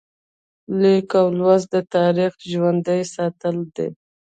لیکل او لوستل د تاریخ ژوندي ساتل دي.